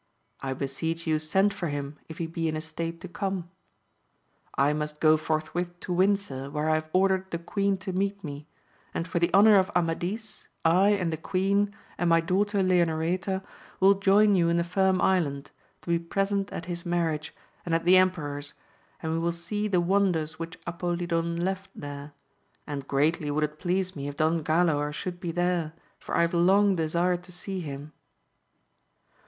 I beseech you send for him, if he be in a state to come. I must go forthwith to Windsor where I have ordered the queen to meet me; and for the honour of Amadis, I and the queen, and my daughter Leonoreta will join you in the Firm Island, to be present at his marriage, and at the emperor's, and we will see the wonders which Apolidon left there ; and greatly would it please me if Don Galaor should be there, for I have long desired to see him.